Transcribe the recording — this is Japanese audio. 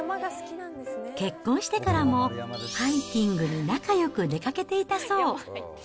結婚してからも、ハイキングに仲よく出かけていたそう。